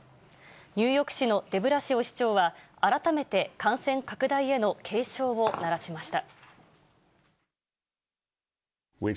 ニューヨーク市のデブラシオ市長は、改めて感染拡大への警鐘を鳴らしました。